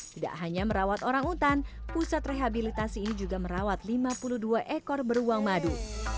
tidak hanya merawat orang utan pusat rehabilitasi ini juga merawat lima puluh dua ekor beruang madu